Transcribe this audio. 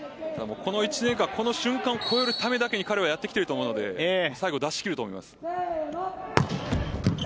この１年間この瞬間を越えるためだけに彼をやってきていると思うので最後、出し切ると思います。